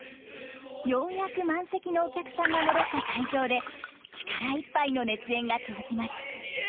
ようやく満席のお客さんが戻った会場で力いっぱいの熱演が続きます。